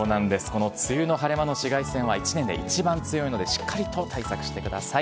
この梅雨の晴れ間の紫外線は１年で一番強いので、しっかりと対策してください。